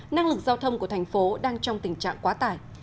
năng lực giao thông của thành phố đang trong tình trạng quá tải